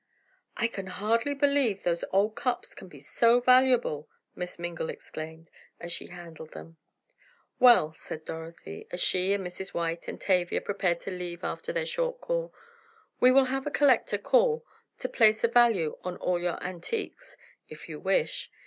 "I can hardly believe those old cups can be so valuable," Miss Mingle exclaimed, as she handled them. "Well," said Dorothy, as she and Mrs. White and Tavia prepared to leave after their short call, "we will have a collector call to place a value on all your antiques, if you wish.